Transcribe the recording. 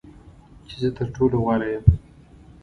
چې زه تر ټولو غوره یم .